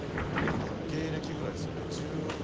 だから芸歴ぐらいですよね。